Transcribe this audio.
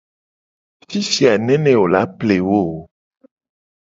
Fifi a nene wo la ple wo o.